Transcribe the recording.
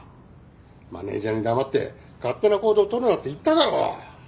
マネジャーに黙って勝手な行動をとるなって言っただろ！